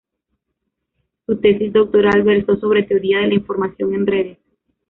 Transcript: Su tesis doctoral versó sobre teoría de la información en redes.